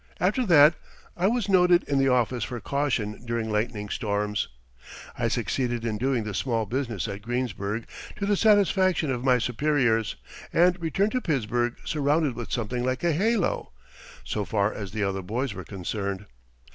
After that I was noted in the office for caution during lightning storms. I succeeded in doing the small business at Greensburg to the satisfaction of my superiors, and returned to Pittsburgh surrounded with something like a halo, so far as the other boys were concerned.